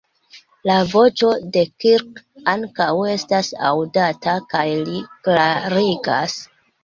La voĉo de Kirk ankaŭ estas aŭdata, kaj li klarigas.